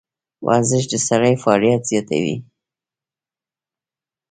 ورزش د سږي فعالیت زیاتوي.